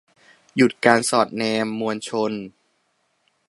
หยุดการสอดแนมมวลชน